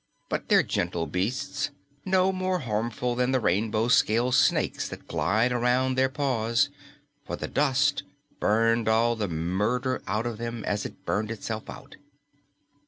But they're gentle beasts, no more harmful than the rainbow scaled snakes that glide around their paws, for the dust burned all the murder out of them, as it burned itself out.